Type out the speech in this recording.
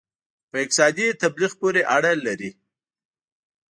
په اقتصادي تبلیغ پورې اړه لري.